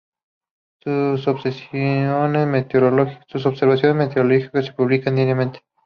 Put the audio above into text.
Sus observaciones meteorológicas se publican diariamente.